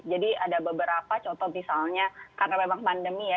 jadi ada beberapa contoh misalnya karena memang pandemi ya